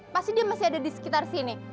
pasti dia masih ada di sekitar sini